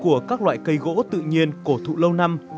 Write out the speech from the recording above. của các loại cây gỗ tự nhiên cổ thụ lâu năm